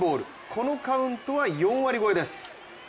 このカウントは４割超えです。